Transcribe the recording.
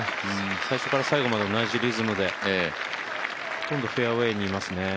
最初から最後まで同じリズムでほとんどフェアウエーにいますね。